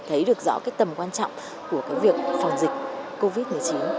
thấy được rõ cái tầm quan trọng của cái việc phòng dịch